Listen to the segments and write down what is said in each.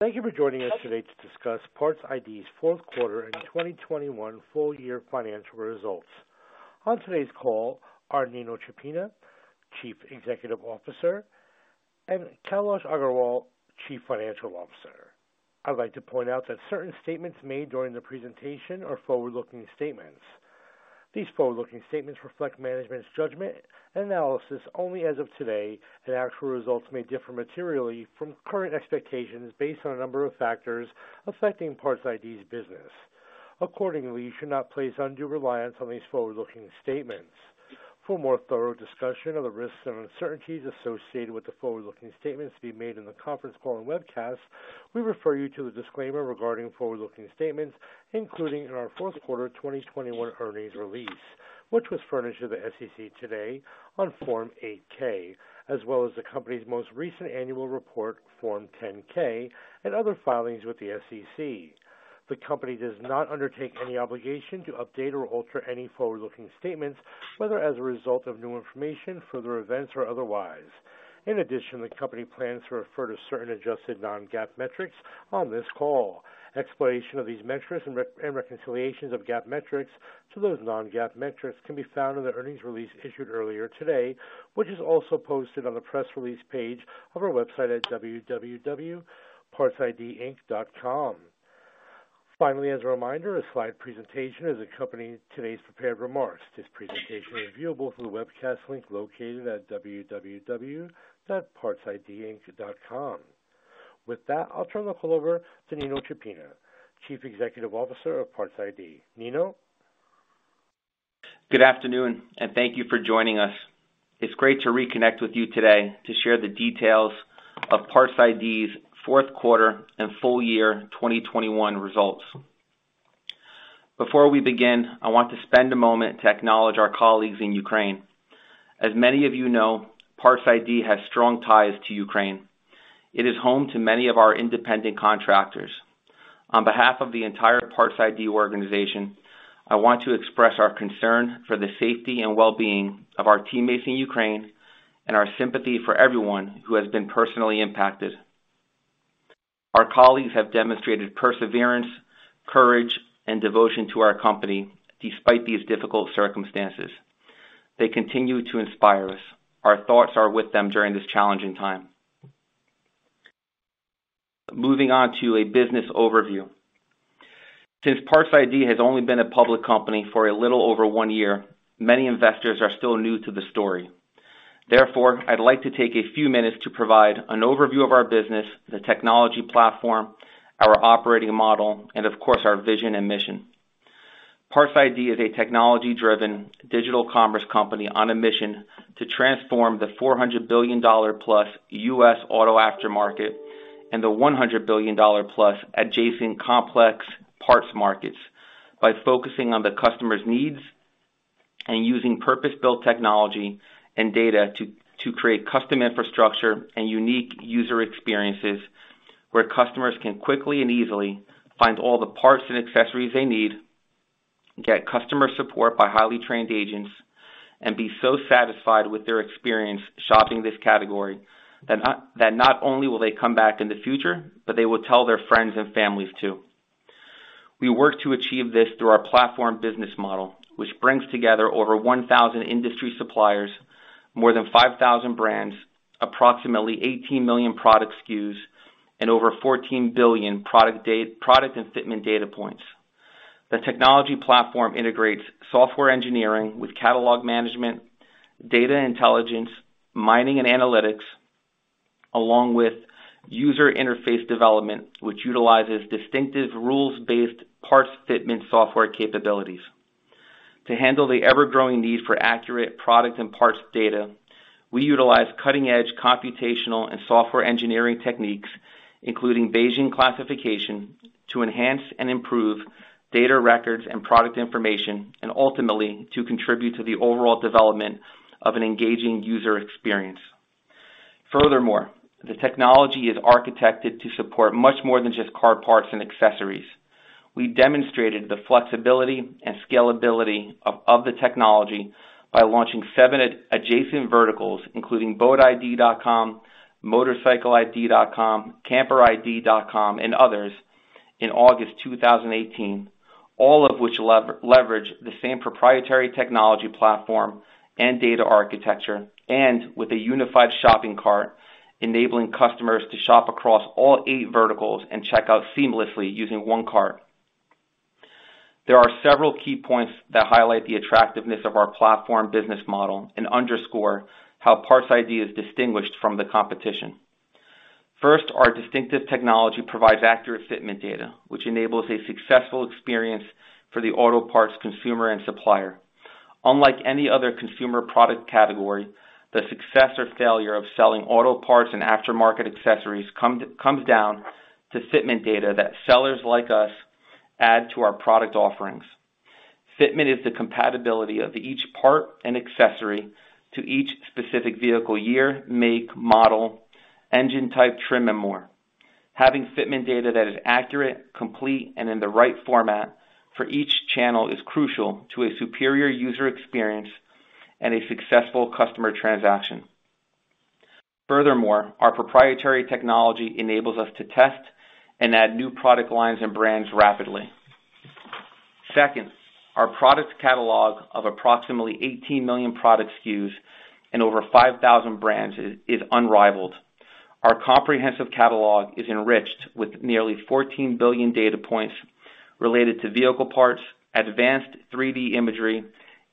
Thank you for joining us today to discuss PARTS iD's fourth quarter and 2021 full year financial results. On today's call are Nino Ciappina, Chief Executive Officer, and Kailas Agrawal, Chief Financial Officer. I'd like to point out that certain statements made during the presentation are forward-looking statements. These forward-looking statements reflect management's judgment and analysis only as of today, and actual results may differ materially from current expectations based on a number of factors affecting PARTS iD's business. Accordingly, you should not place undue reliance on these forward-looking statements. For more thorough discussion of the risks and uncertainties associated with the forward-looking statements to be made in the conference call and webcast, we refer you to the disclaimer regarding forward-looking statements, including in our fourth quarter 2021 earnings release, which was furnished to the SEC today on Form 8-K, as well as the company's most recent annual report, Form 10-K, and other filings with the SEC. The company does not undertake any obligation to update or alter any forward-looking statements, whether as a result of new information, further events or otherwise. In addition, the company plans to refer to certain adjusted non-GAAP metrics on this call. Explanation of these metrics and reconciliations of GAAP metrics to those non-GAAP metrics can be found in the earnings release issued earlier today, which is also posted on the press release page of our website at www.partsidinc.com. Finally, as a reminder, a slide presentation is accompanying today's prepared remarks. This presentation is viewable through the webcast link located at www.partsidinc.com. With that, I'll turn the call over to Nino Ciappina, Chief Executive Officer of PARTS iD. Nino. Good afternoon, and thank you for joining us. It's great to reconnect with you today to share the details of PARTS iD's fourth quarter and full year 2021 results. Before we begin, I want to spend a moment to acknowledge our colleagues in Ukraine. As many of you know, PARTS iD has strong ties to Ukraine. It is home to many of our independent contractors. On behalf of the entire PARTS iD organization, I want to express our concern for the safety and well-being of our teammates in Ukraine and our sympathy for everyone who has been personally impacted. Our colleagues have demonstrated perseverance, courage, and devotion to our company despite these difficult circumstances. They continue to inspire us. Our thoughts are with them during this challenging time. Moving on to a business overview. Since PARTS iD has only been a public company for a little over one year, many investors are still new to the story. Therefore, I'd like to take a few minutes to provide an overview of our business, the technology platform, our operating model, and of course, our vision and mission. PARTS iD is a technology-driven digital commerce company on a mission to transform the $400 billion+ U.S. auto aftermarket and the $100 billion+ adjacent complex parts markets by focusing on the customer's needs and using purpose-built technology and data to create custom infrastructure and unique user experiences where customers can quickly and easily find all the parts and accessories they need, get customer support by highly trained agents, and be so satisfied with their experience shopping this category that that not only will they come back in the future, but they will tell their friends and families too. We work to achieve this through our platform business model, which brings together over 1,000 industry suppliers, more than 5,000 brands, approximately 18 million product SKUs, and over 14 billion product and fitment data points. The technology platform integrates software engineering with catalog management, data intelligence, mining and analytics, along with user interface development, which utilizes distinctive rules-based parts fitment software capabilities. To handle the ever-growing need for accurate product and parts data, we utilize cutting-edge computational and software engineering techniques, including Bayesian classification, to enhance and improve data records and product information, and ultimately, to contribute to the overall development of an engaging user experience. Furthermore, the technology is architected to support much more than just car parts and accessories. We demonstrated the flexibility and scalability of the technology by launching seven adjacent verticals, including BOATiD.com, MOTORCYCLEiD.com, CAMPERiD.com, and others in August 2018, all of which leverage the same proprietary technology platform and data architecture, and with a unified shopping cart, enabling customers to shop across all eight verticals and check out seamlessly using one cart. There are several key points that highlight the attractiveness of our platform business model and underscore how PARTS iD is distinguished from the competition. First, our distinctive technology provides accurate fitment data, which enables a successful experience for the auto parts consumer and supplier. Unlike any other consumer product category, the success or failure of selling auto parts and aftermarket accessories comes down to fitment data that sellers like us add to our product offerings. Fitment is the compatibility of each part and accessory to each specific vehicle year, make, model, engine type, trim, and more. Having fitment data that is accurate, complete, and in the right format for each channel is crucial to a superior user experience and a successful customer transaction. Furthermore, our proprietary technology enables us to test and add new product lines and brands rapidly. Second, our product catalog of approximately 18 million product SKUs and over 5,000 brands is unrivaled. Our comprehensive catalog is enriched with nearly 14 billion data points related to vehicle parts, advanced 3D imagery,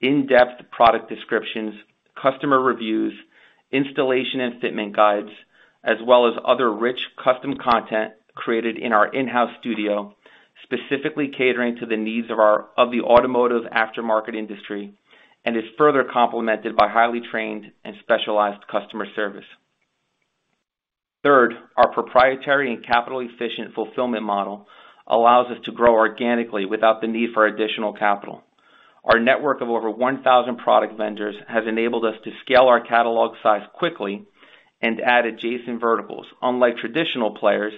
in-depth product descriptions, customer reviews, installation and fitment guides, as well as other rich custom content created in our in-house studio, specifically catering to the needs of the automotive aftermarket industry, and is further complemented by highly trained and specialized customer service. Third, our proprietary and capital efficient fulfillment model allows us to grow organically without the need for additional capital. Our network of over 1,000 product vendors has enabled us to scale our catalog size quickly and add adjacent verticals, unlike traditional players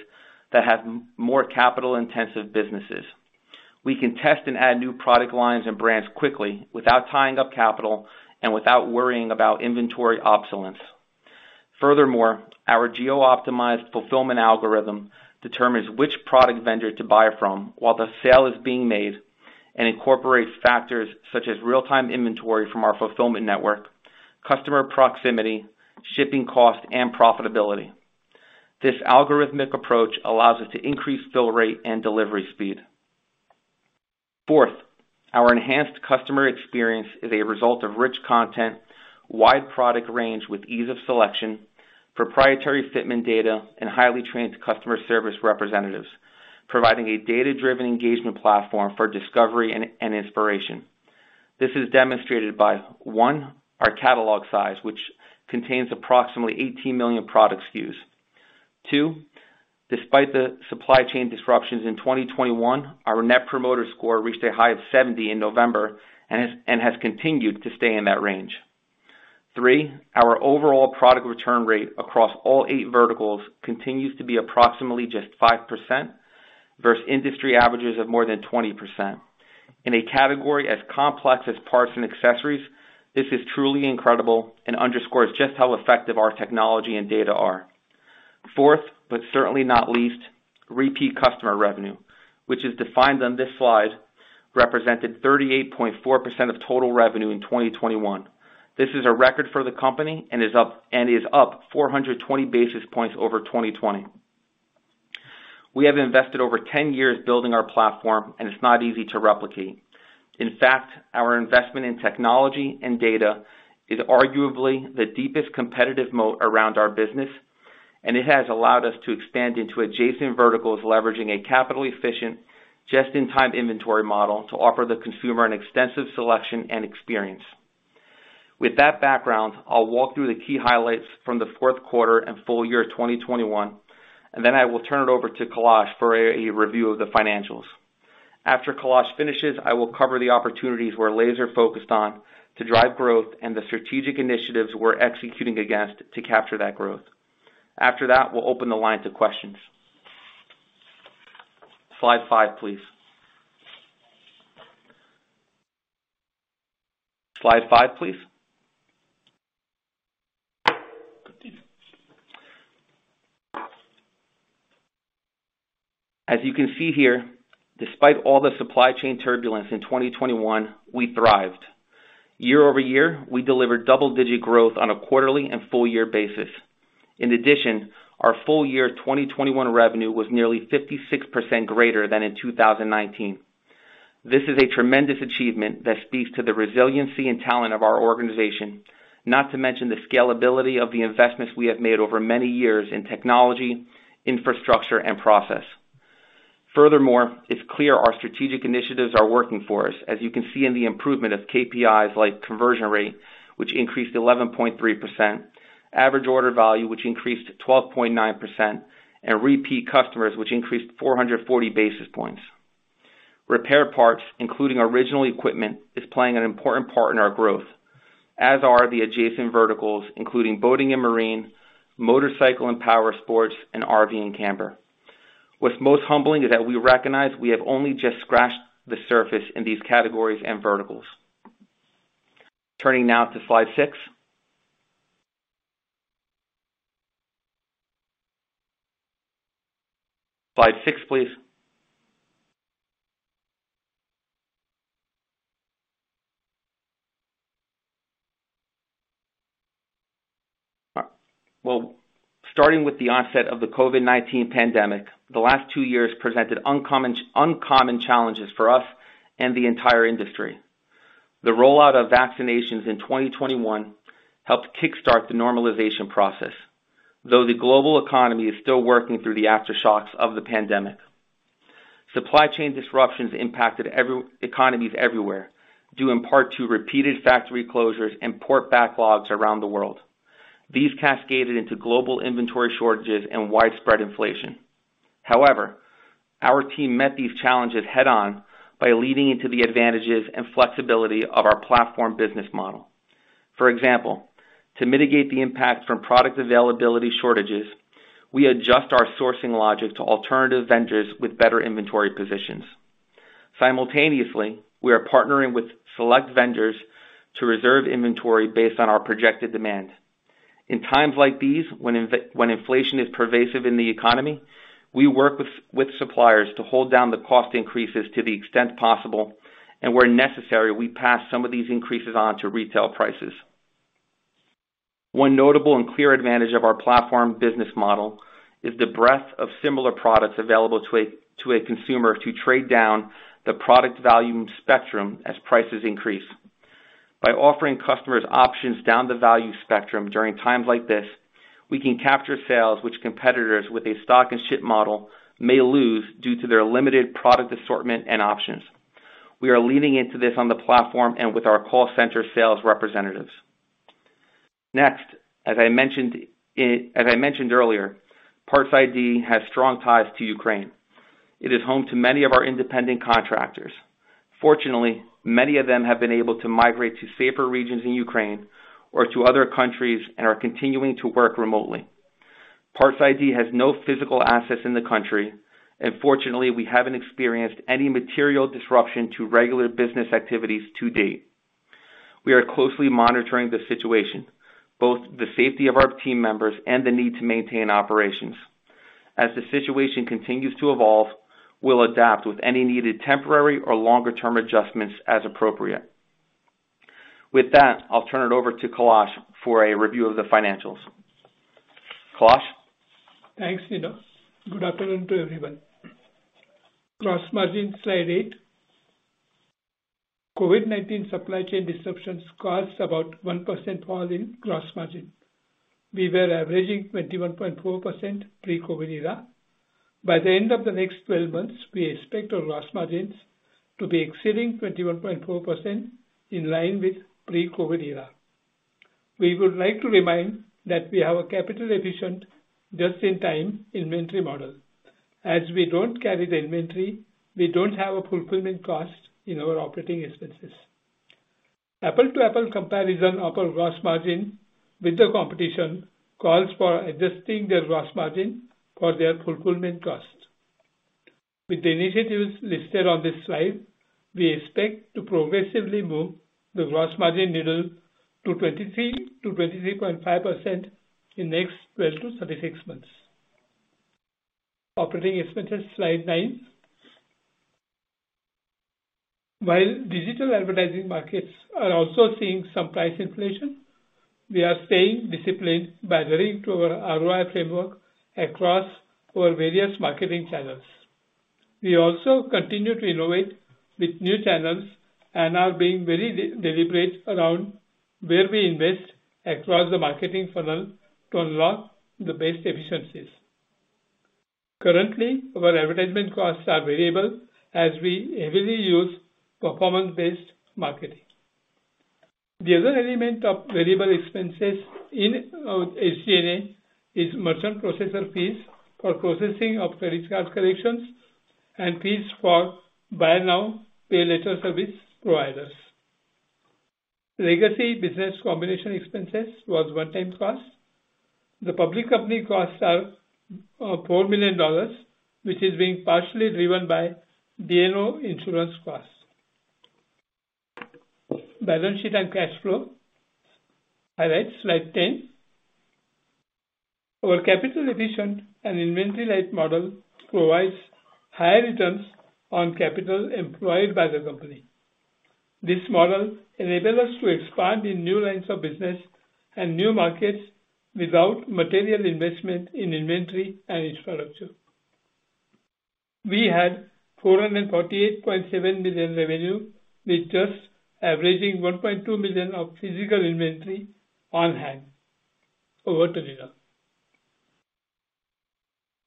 that have more capital-intensive businesses. We can test and add new product lines and brands quickly without tying up capital and without worrying about inventory obsolescence. Furthermore, our geo-optimized fulfillment algorithm determines which product vendor to buy from while the sale is being made and incorporates factors such as real-time inventory from our fulfillment network, customer proximity, shipping cost, and profitability. This algorithmic approach allows us to increase fill rate and delivery speed. Fourth, our enhanced customer experience is a result of rich content, wide product range with ease of selection, proprietary fitment data, and highly trained customer service representatives, providing a data-driven engagement platform for discovery and inspiration. This is demonstrated by, one, our catalog size, which contains approximately 18 million product SKUs. Two, despite the supply chain disruptions in 2021, our Net Promoter Score reached a high of 70 in November and has continued to stay in that range. Three, our overall product return rate across all eight verticals continues to be approximately just 5% versus industry averages of more than 20%. In a category as complex as parts and accessories, this is truly incredible and underscores just how effective our technology and data are. Fourth, certainly not least, repeat customer revenue, which is defined on this slide, represented 38.4% of total revenue in 2021. This is a record for the company and is up 420 basis points over 2020. We have invested over 10 years building our platform, and it's not easy to replicate. In fact, our investment in technology and data is arguably the deepest competitive moat around our business, and it has allowed us to expand into adjacent verticals, leveraging a capital efficient just-in-time inventory model to offer the consumer an extensive selection and experience. With that background, I'll walk through the key highlights from the fourth quarter and full year 2021, and then I will turn it over to Kailas for a review of the financials. After Kailas finishes, I will cover the opportunities we're laser focused on to drive growth and the strategic initiatives we're executing against to capture that growth. After that, we'll open the line to questions. Slide five, please. As you can see here, despite all the supply chain turbulence in 2021, we thrived. Year-over-year, we delivered double-digit growth on a quarterly and full year basis. In addition, our full year 2021 revenue was nearly 56% greater than in 2019. This is a tremendous achievement that speaks to the resiliency and talent of our organization, not to mention the scalability of the investments we have made over many years in technology, infrastructure, and process. Furthermore, it's clear our strategic initiatives are working for us, as you can see in the improvement of KPIs like conversion rate, which increased 11.3%, average order value, which increased 12.9%, and repeat customers, which increased 440 basis points. Repair parts, including original equipment, is playing an important part in our growth, as are the adjacent verticals, including boating and marine, motorcycle and power sports, and RV and camper. What's most humbling is that we recognize we have only just scratched the surface in these categories and verticals. Turning now to slide six. Slide six, please. Well, starting with the onset of the COVID-19 pandemic, the last two years presented uncommon challenges for us and the entire industry. The rollout of vaccinations in 2021 helped kickstart the normalization process, though the global economy is still working through the aftershocks of the pandemic. Supply chain disruptions impacted economies everywhere, due in part to repeated factory closures and port backlogs around the world. These cascaded into global inventory shortages and widespread inflation. However, our team met these challenges head on by leaning into the advantages and flexibility of our platform business model. For example, to mitigate the impact from product availability shortages, we adjust our sourcing logic to alternative vendors with better inventory positions. Simultaneously, we are partnering with select vendors to reserve inventory based on our projected demand. In times like these, when inflation is pervasive in the economy, we work with suppliers to hold down the cost increases to the extent possible, and where necessary, we pass some of these increases on to retail prices. One notable and clear advantage of our platform business model is the breadth of similar products available to a consumer to trade down the product value spectrum as prices increase. By offering customers options down the value spectrum during times like this, we can capture sales which competitors with a stock and ship model may lose due to their limited product assortment and options. We are leaning into this on the platform and with our call center sales representatives. Next, as I mentioned earlier, PARTS iD has strong ties to Ukraine. It is home to many of our independent contractors. Fortunately, many of them have been able to migrate to safer regions in Ukraine or to other countries and are continuing to work remotely. PARTS iD has no physical assets in the country, and fortunately, we haven't experienced any material disruption to regular business activities to date. We are closely monitoring the situation, both the safety of our team members and the need to maintain operations. As the situation continues to evolve, we'll adapt with any needed temporary or longer-term adjustments as appropriate. With that, I'll turn it over to Kailas for a review of the financials. Kailas? Thanks, Nino. Good afternoon to everyone. Gross margin, slide eight. COVID-19 supply chain disruptions caused about 1% fall in gross margin. We were averaging 21.4% pre-COVID era. By the end of the next 12 months, we expect our gross margins to be exceeding 21.4% in line with pre-COVID era. We would like to remind that we have a capital efficient just-in-time inventory model. As we don't carry the inventory, we don't have a fulfillment cost in our operating expenses. Apple-to-apple comparison of our gross margin with the competition calls for adjusting their gross margin for their fulfillment costs. With the initiatives listed on this slide, we expect to progressively move the gross margin needle to 23%-23.5% in the next 12-36 months. Operating expenses, slide nine. While digital advertising markets are also seeing some price inflation, we are staying disciplined by adhering to our ROI framework across our various marketing channels. We also continue to innovate with new channels and are being very deliberate around where we invest across the marketing funnel to unlock the best efficiencies. Currently, our advertisement costs are variable as we heavily use performance-based marketing. The other element of variable expenses in SG&A is merchant processor fees for processing of credit card collections and fees for buy now, pay later service providers. Legacy business combination expenses was one-time cost. The public company costs are $4 million, which is being partially driven by D&O insurance costs. Balance sheet and cash flow highlights, slide 10. Our capital efficient and inventory-light model provides higher returns on capital employed by the company. This model enable us to expand in new lines of business and new markets without material investment in inventory and infrastructure. We had $448.7 million revenue with just averaging $1.2 million of physical inventory on hand. Over to Nino.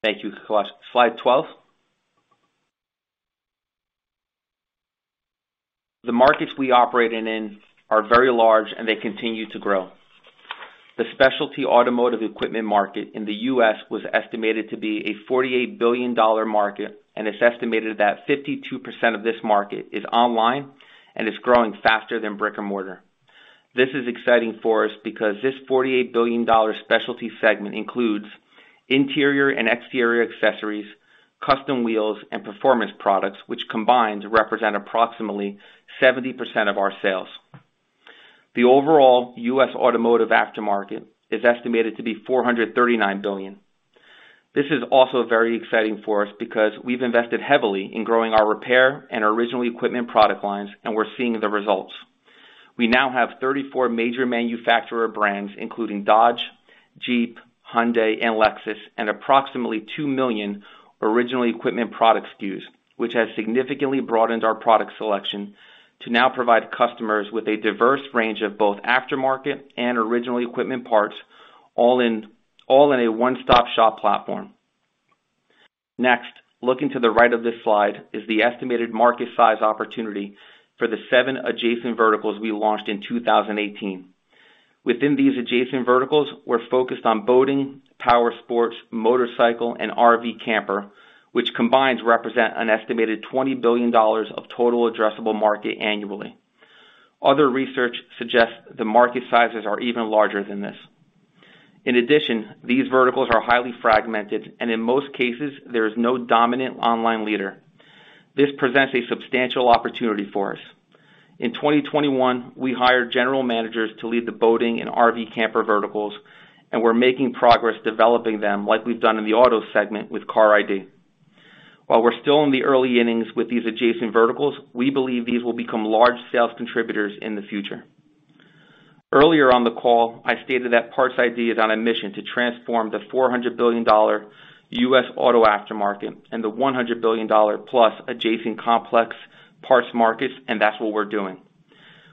Thank you, Kailas. Slide 12. The markets we operate in are very large, and they continue to grow. The specialty automotive equipment market in the U.S. was estimated to be a $48 billion market, and it's estimated that 52% of this market is online and is growing faster than brick-and-mortar. This is exciting for us because this $48 billion specialty segment includes interior and exterior accessories, custom wheels, and performance products, which combined represent approximately 70% of our sales. The overall U.S. automotive aftermarket is estimated to be $439 billion. This is also very exciting for us because we've invested heavily in growing our repair and original equipment product lines, and we're seeing the results. We now have 34 major manufacturer brands, including Dodge, Jeep, Hyundai, and Lexus, and approximately 2 million original equipment product SKUs, which has significantly broadened our product selection to now provide customers with a diverse range of both aftermarket and original equipment parts, all in a one-stop-shop platform. Next, looking to the right of this slide, is the estimated market size opportunity for the seven adjacent verticals we launched in 2018. Within these adjacent verticals, we're focused on boating, powersports, motorcycle, and RV camper, which combined represent an estimated $20 billion of total addressable market annually. Other research suggests the market sizes are even larger than this. In addition, these verticals are highly fragmented, and in most cases, there is no dominant online leader. This presents a substantial opportunity for us. In 2021, we hired general managers to lead the boating and RV camper verticals, and we're making progress developing them like we've done in the auto segment with CARiD. While we're still in the early innings with these adjacent verticals, we believe these will become large sales contributors in the future. Earlier on the call, I stated that PARTS iD is on a mission to transform the $400 billion U.S. auto aftermarket and the $100 billion+ adjacent complex parts markets, and that's what we're doing.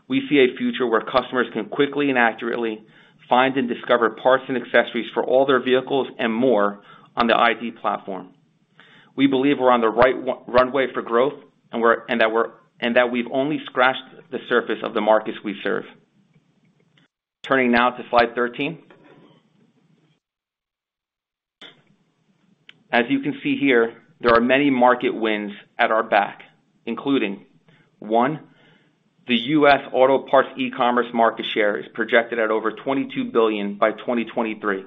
We see a future where customers can quickly and accurately find and discover parts and accessories for all their vehicles and more on the iD platform. We believe we're on the right runway for growth and that we've only scratched the surface of the markets we serve. Turning now to slide 13. As you can see here, there are many market wins at our back, including, one, the U.S. auto parts e-commerce market share is projected at over $22 billion by 2023.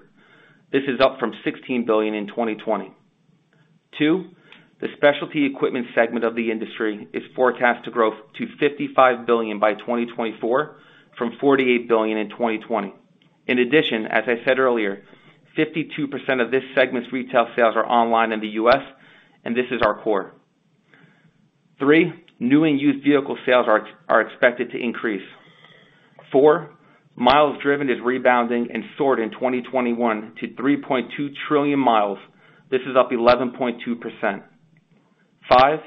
This is up from $16 billion in 2020. Two, the specialty equipment segment of the industry is forecast to grow to $55 billion by 2024 from $48 billion in 2020. In addition, as I said earlier, 52% of this segment's retail sales are online in the U.S., and this is our core. Three, new and used vehicle sales are expected to increase. Four, miles driven is rebounding and soared in 2021 to 3.2 trillion miles. This is up 11.2%. Five,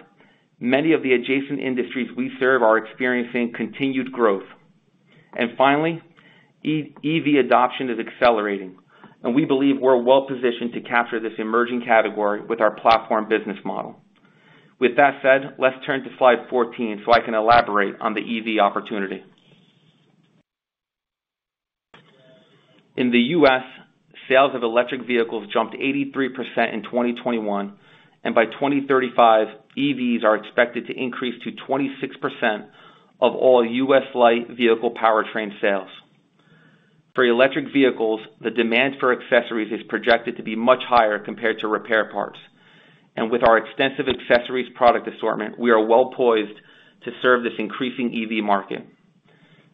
many of the adjacent industries we serve are experiencing continued growth. Finally, EV adoption is accelerating, and we believe we're well-positioned to capture this emerging category with our platform business model. With that said, let's turn to slide 14 so I can elaborate on the EV opportunity. In the U.S., sales of electric vehicles jumped 83% in 2021, and by 2035, EVs are expected to increase to 26% of all U.S. light vehicle powertrain sales. For electric vehicles, the demand for accessories is projected to be much higher compared to repair parts. With our extensive accessories product assortment, we are well poised to serve this increasing EV market.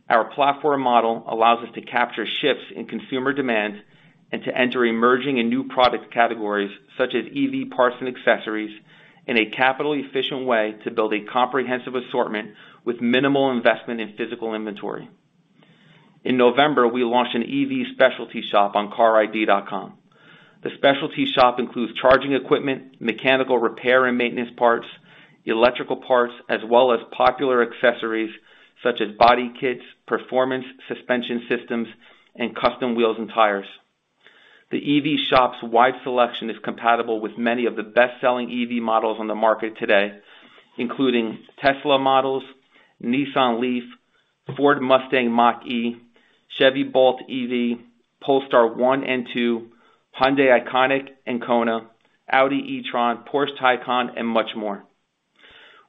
Our platform model allows us to capture shifts in consumer demand and to enter emerging and new product categories, such as EV parts and accessories, in a capital-efficient way to build a comprehensive assortment with minimal investment in physical inventory. In November, we launched an EV specialty shop on carid.com. The specialty shop includes charging equipment, mechanical repair and maintenance parts, electrical parts, as well as popular accessories such as body kits, performance suspension systems, and custom wheels and tires. The EV shop's wide selection is compatible with many of the best-selling EV models on the market today, including Tesla models, Nissan LEAF, Ford Mustang Mach-E, Chevy Bolt EV, Polestar 1 and 2, Hyundai Ioniq and Kona, Audi e-tron, Porsche Taycan, and much more.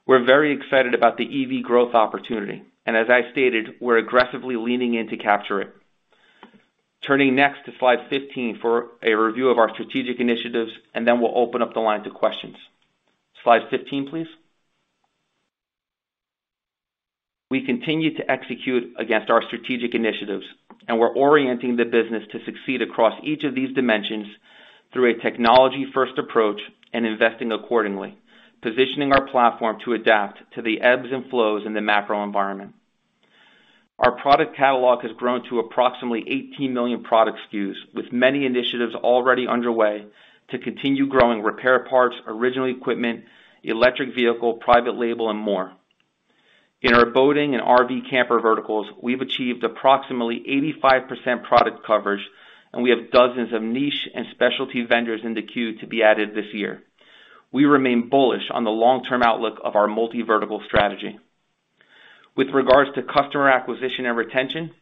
We're very excited about the EV growth opportunity. As I stated, we're aggressively leaning in to capture it. Turning next to slide 15 for a review of our strategic initiatives, and then we'll open up the line to questions. Slide 15, please. We continue to execute against our strategic initiatives, and we're orienting the business to succeed across each of these dimensions through a technology-first approach and investing accordingly, positioning our platform to adapt to the ebbs and flows in the macro environment. Our product catalog has grown to approximately 18 million product SKUs, with many initiatives already underway to continue growing repair parts, original equipment, electric vehicle, private label, and more. In our boating and RV camper verticals, we've achieved approximately 85% product coverage, and we have dozens of niche and specialty vendors in the queue to be added this year. We remain bullish on the long-term outlook of our multi-vertical strategy. With regards to customer acquisition and retention,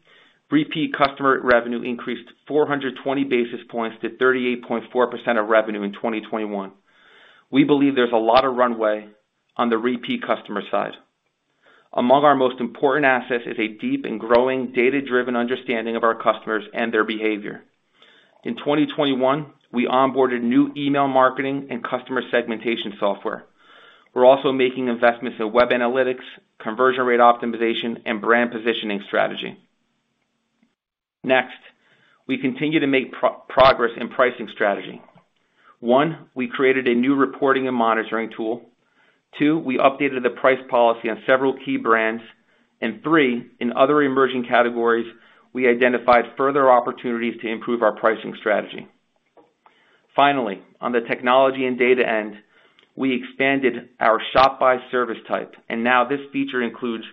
repeat customer revenue increased 420 basis points to 38.4% of revenue in 2021. We believe there's a lot of runway on the repeat customer side. Among our most important assets is a deep and growing data-driven understanding of our customers and their behavior. In 2021, we onboarded new email marketing and customer segmentation software. We're also making investments in web analytics, conversion rate optimization, and brand positioning strategy. Next, we continue to make progress in pricing strategy. One, we created a new reporting and monitoring tool. Two, we updated the price policy on several key brands. Three, in other emerging categories, we identified further opportunities to improve our pricing strategy. Finally, on the technology and data end, we expanded our shop by service type, and now this feature includes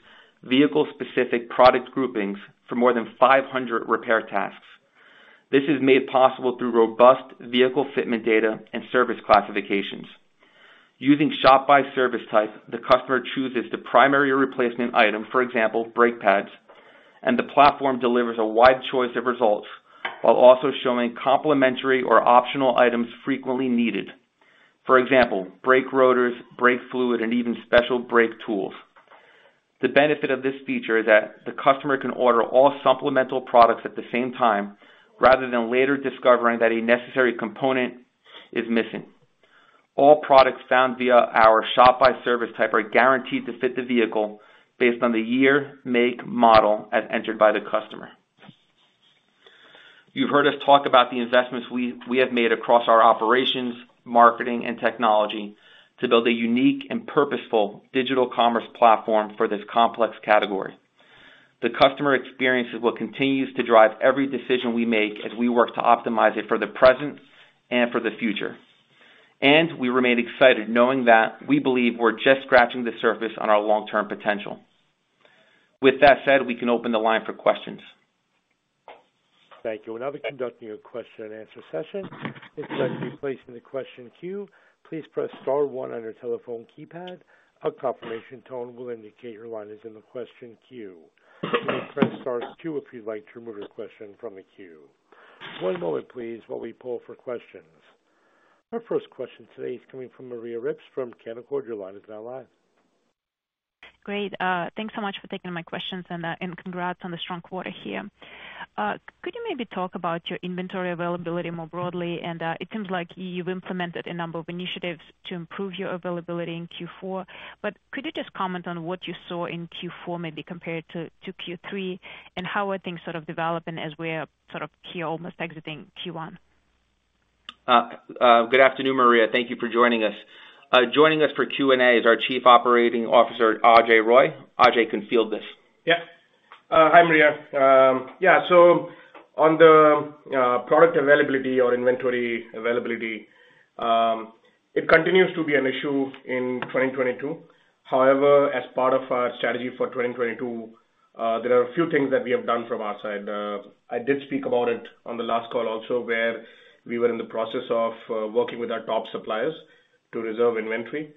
vehicle-specific product groupings for more than 500 repair tasks. This is made possible through robust vehicle fitment data and service classifications. Using shop by service type, the customer chooses the primary replacement item, for example, brake pads, and the platform delivers a wide choice of results while also showing complementary or optional items frequently needed. For example, brake rotors, brake fluid, and even special brake tools. The benefit of this feature is that the customer can order all supplemental products at the same time, rather than later discovering that a necessary component is missing. All products found via our shop by service type are guaranteed to fit the vehicle based on the year, make, model as entered by the customer. You've heard us talk about the investments we have made across our operations, marketing and technology to build a unique and purposeful digital commerce platform for this complex category. The customer experience is what continues to drive every decision we make as we work to optimize it for the present and for the future. We remain excited knowing that we believe we're just scratching the surface on our long-term potential. With that said, we can open the line for questions. Thank you. We're now conducting a question-and-answer session. If you'd like to be placed in the question queue, please press star one on your telephone keypad. A confirmation tone will indicate your line is in the question queue. You may press star two if you'd like to remove your question from the queue. One moment please while we poll for questions. Our first question today is coming from Maria Ripps from Canaccord. Your line is now live. Great. Thanks so much for taking my questions and congrats on the strong quarter here. Could you maybe talk about your inventory availability more broadly? It seems like you've implemented a number of initiatives to improve your availability in Q4. Could you just comment on what you saw in Q4 maybe compared to Q3? How are things sort of developing as we're sort of here almost exiting Q1? Good afternoon, Maria. Thank you for joining us. Joining us for Q&A is our Chief Operating Officer, Ajay Roy. Ajay can field this. Yeah. Hi, Maria. Yeah. On the product availability or inventory availability, it continues to be an issue in 2022. However, as part of our strategy for 2022, there are a few things that we have done from our side. I did speak about it on the last call also where we were in the process of working with our top suppliers to reserve inventory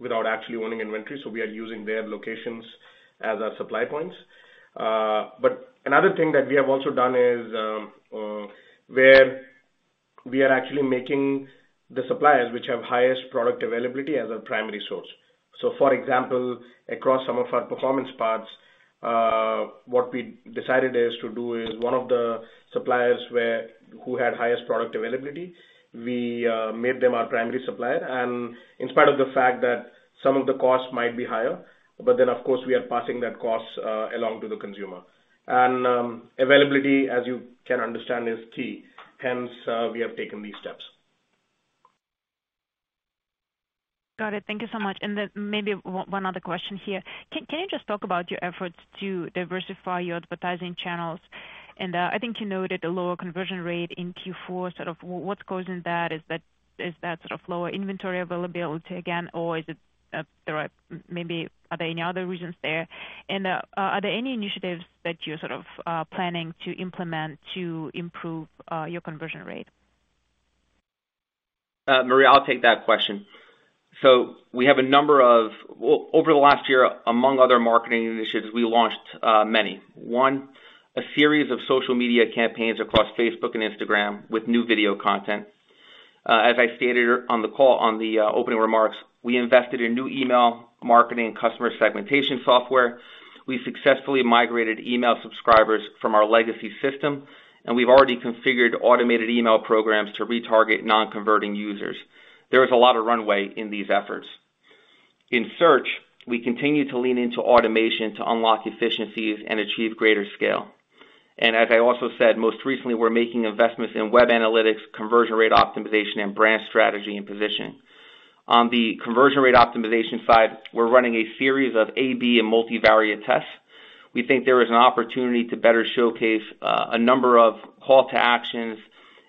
without actually owning inventory, so we are using their locations as our supply points. But another thing that we have also done is where we are actually making the suppliers which have highest product availability as our primary source. For example, across some of our performance parts, what we decided is to do is one of the suppliers where. Who had highest product availability, we made them our primary supplier, and in spite of the fact that some of the costs might be higher, but then of course we are passing that cost along to the consumer. Availability, as you can understand, is key. Hence, we have taken these steps. Got it. Thank you so much. Then maybe one other question here. Can you just talk about your efforts to diversify your advertising channels? I think you noted a lower conversion rate in Q4, sort of what's causing that? Is that sort of lower inventory availability again or is it, there are maybe other reasons there? Are there any initiatives that you're sort of planning to implement to improve your conversion rate? Maria, I'll take that question. We have a number of well, over the last year, among other marketing initiatives, we launched many. One, a series of social media campaigns across Facebook and Instagram with new video content. As I stated on the call on the opening remarks, we invested in new email marketing customer segmentation software. We successfully migrated email subscribers from our legacy system, and we've already configured automated email programs to retarget non-converting users. There is a lot of runway in these efforts. In search, we continue to lean into automation to unlock efficiencies and achieve greater scale. As I also said, most recently, we're making investments in web analytics, conversion rate optimization and brand strategy and position. On the conversion rate optimization side, we're running a series of A/B and multivariate tests. We think there is an opportunity to better showcase a number of calls to action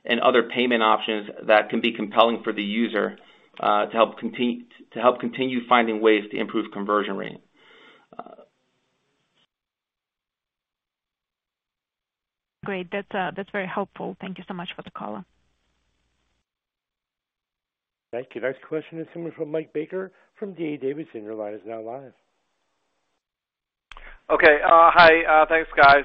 and other payment options that can be compelling for the user to help continue finding ways to improve conversion rate. Great. That's very helpful. Thank you so much for the color. Thank you. Next question is coming from Mike Baker from D.A. Davidson. Your line is now live. Okay. Hi. Thanks, guys.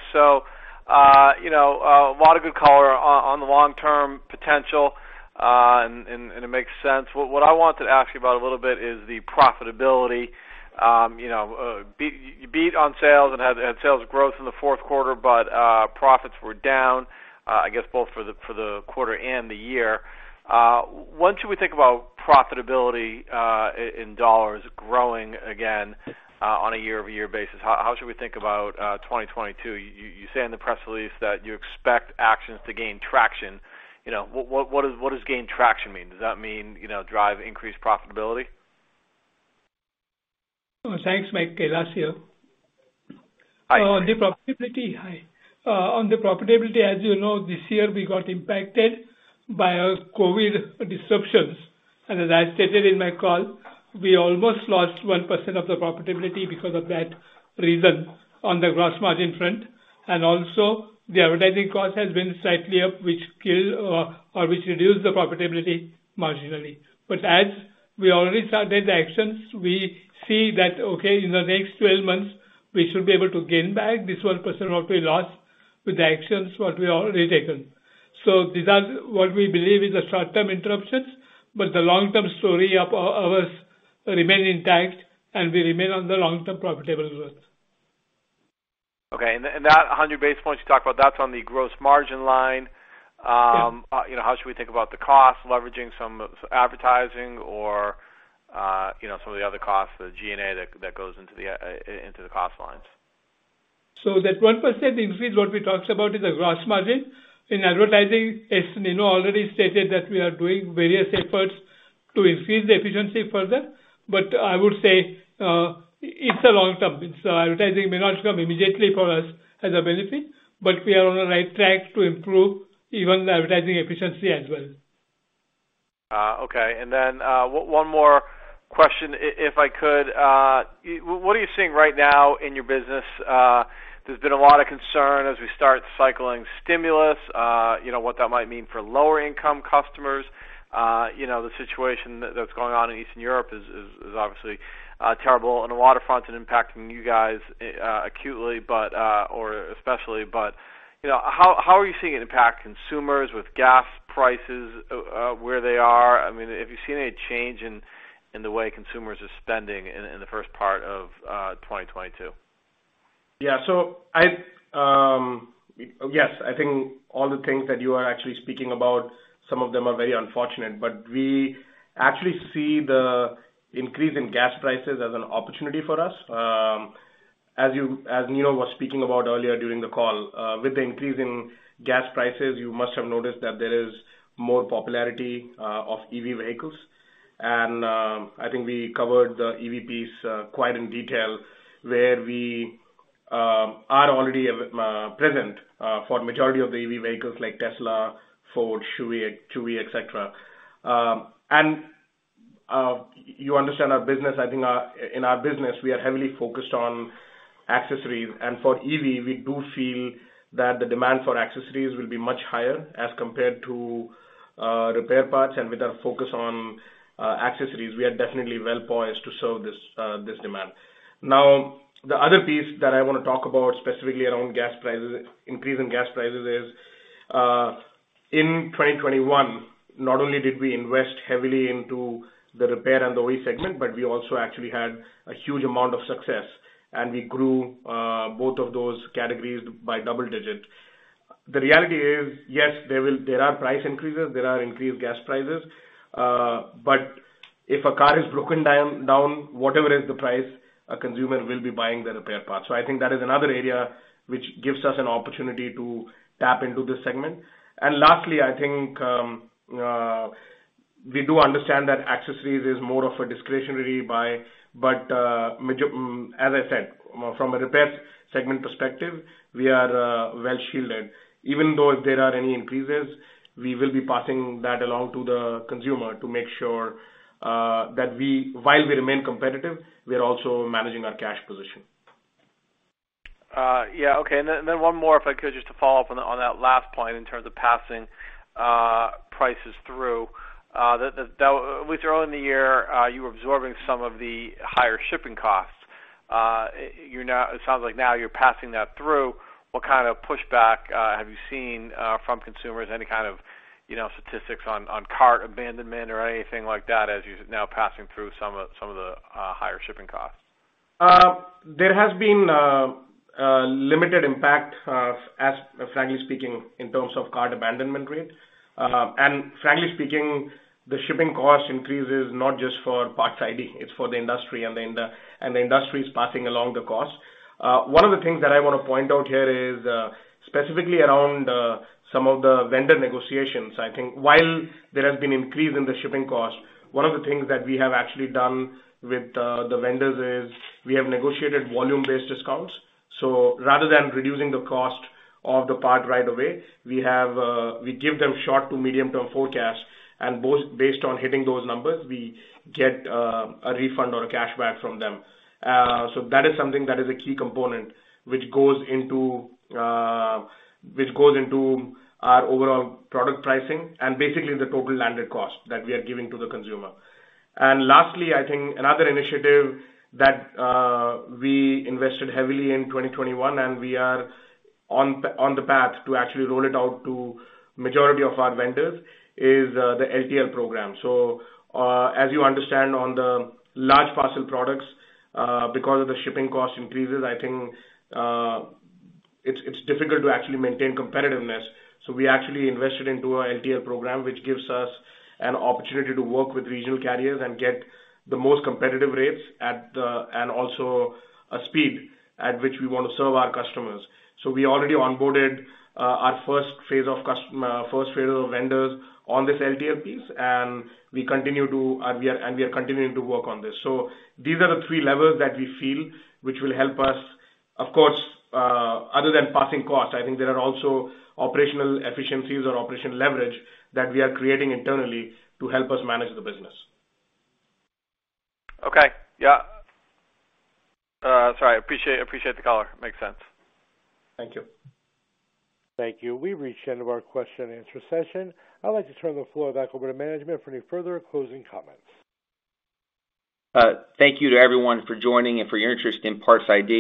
You know, a lot of good color on the long-term potential, and it makes sense. What I wanted to ask you about a little bit is the profitability. You know, you beat on sales and had sales growth in the fourth quarter, but profits were down, I guess both for the quarter and the year. When should we think about profitability in dollars growing again on a year-over-year basis? How should we think about 2022? You say in the press release that you expect actions to gain traction. You know, what does gain traction mean? Does that mean drive increased profitability? Thanks, Mike. Kailas here. Hi. On the profitability, as you know, this year, we got impacted by COVID disruptions. As I stated in my call, we almost lost 1% of the profitability because of that reason on the gross margin front. The advertising cost has been slightly up, which reduced the profitability marginally. As we already started the actions, we see that in the next 12 months, we should be able to gain back this 1% what we lost with the actions what we already taken. These are what we believe is short-term interruptions, but the long-term story of us remain intact and we remain on the long-term profitable growth. Okay. That 100 basis points you talked about, that's on the gross margin line. You know, how should we think about the cost leveraging some of the advertising or, you know, some of the other costs, the G&A that goes into the cost lines? That 1% increase what we talked about is the gross margin. In advertising, as Nino already stated, that we are doing various efforts to increase the efficiency further. I would say, it's a long term. It's advertising may not come immediately for us as a benefit, but we are on the right track to improve even the advertising efficiency as well. Okay. One more question if I could. What are you seeing right now in your business? There's been a lot of concern as we start cycling stimulus, you know, what that might mean for lower income customers. You know, the situation that's going on in Eastern Europe is obviously terrible on a lot of fronts and impacting you guys acutely or especially. You know, how are you seeing it impact consumers with gas prices where they are? I mean, have you seen any change in the way consumers are spending in the first part of 2022? Yes, I think all the things that you are actually speaking about, some of them are very unfortunate. We actually see the increase in gas prices as an opportunity for us. As Nino was speaking about earlier during the call, with the increase in gas prices, you must have noticed that there is more popularity of EV vehicles. I think we covered the EV piece quite in detail, where we are already a bit present for majority of the EV vehicles like Tesla, Ford, Chevy, et cetera. You understand our business. In our business, we are heavily focused on accessories. For EV, we do feel that the demand for accessories will be much higher as compared to repair parts. With our focus on accessories, we are definitely well poised to serve this demand. Now, the other piece that I wanna talk about specifically around gas prices, increase in gas prices is, in 2021, not only did we invest heavily into the repair and the OE segment, but we also actually had a huge amount of success, and we grew both of those categories by double-digit. The reality is, yes, there are price increases, there are increased gas prices, but if a car is broken down, whatever is the price, a consumer will be buying the repair part. I think that is another area which gives us an opportunity to tap into this segment. Lastly, I think we do understand that accessories is more of a discretionary buy. As I said, from a repair segment perspective, we are well shielded. Even though if there are any increases, we will be passing that along to the consumer to make sure that while we remain competitive, we are also managing our cash position. Yeah. Okay. One more, if I could, just to follow up on that last point in terms of passing prices through. With early in the year, you were absorbing some of the higher shipping costs. It sounds like now you're passing that through. What kind of pushback have you seen from consumers? Any kind of, you know, statistics on cart abandonment or anything like that as you're now passing through some of the higher shipping costs? There has been a limited impact, as frankly speaking, in terms of cart abandonment rate. Frankly speaking, the shipping cost increase is not just for PARTS iD, it's for the industry, and the industry is passing along the cost. One of the things that I wanna point out here is specifically around some of the vendor negotiations. I think while there has been increase in the shipping cost, one of the things that we have actually done with the vendors is we have negotiated volume-based discounts. Rather than reducing the cost of the part right away, we give them short to medium term forecast. Based on hitting those numbers, we get a refund or a cashback from them. That is something that is a key component which goes into our overall product pricing and basically the total landed cost that we are giving to the consumer. Lastly, I think another initiative that we invested heavily in 2021 and we are on the path to actually roll it out to majority of our vendors is the LTL program. As you understand, on the large parcel products, because of the shipping cost increases, I think it's difficult to actually maintain competitiveness. We actually invested into our LTL program, which gives us an opportunity to work with regional carriers and get the most competitive rates and also a speed at which we wanna serve our customers. We already onboarded our first phase of vendors on this LTL piece, and we are continuing to work on this. These are the three levels that we feel which will help us. Of course, other than passing costs, I think there are also operational efficiencies or operational leverage that we are creating internally to help us manage the business. Okay. Yeah. Sorry. I appreciate the color. Makes sense. Thank you. Thank you. We've reached the end of our question and answer session. I'd like to turn the floor back over to management for any further closing comments. Thank you to everyone for joining and for your interest in PARTS iD.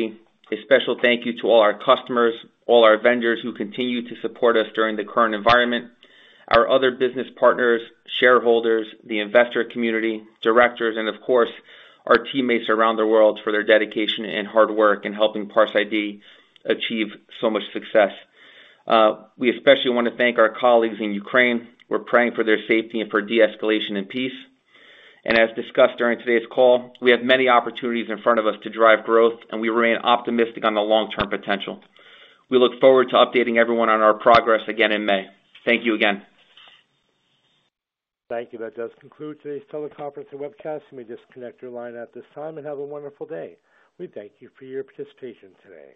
A special thank you to all our customers, all our vendors who continue to support us during the current environment, our other business partners, shareholders, the investor community, directors, and of course, our teammates around the world for their dedication and hard work in helping PARTS iD achieve so much success. We especially wanna thank our colleagues in Ukraine. We're praying for their safety and for de-escalation and peace. As discussed during today's call, we have many opportunities in front of us to drive growth, and we remain optimistic on the long-term potential. We look forward to updating everyone on our progress again in May. Thank you again. Thank you. That does conclude today's teleconference and webcast. You may disconnect your line at this time, and have a wonderful day. We thank you for your participation today.